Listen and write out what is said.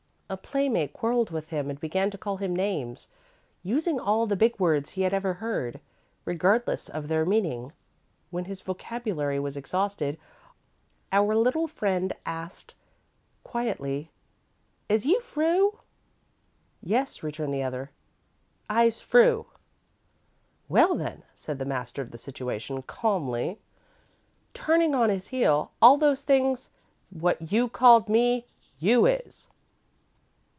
A playmate quarrelled with him and began to call him names, using all the big words he had ever heard, regardless of their meaning. When his vocabulary was exhausted, our little friend asked, quietly: 'Is you froo?' 'Yes,' returned the other, 'I's froo.' 'Well then,' said the master of the situation, calmly, turning on his heel, 'all those things what you called me, you is.'"